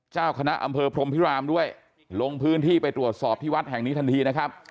เจ้าคณะอำเภอพรมพิรามด้วยลงพื้นที่ไปตรวจสอบที่วัดแห่งนี้ทันทีนะครับ